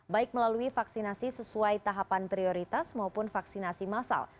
baik melalui vaksinasi sesuai tahapan prioritas maupun vaksinasi massal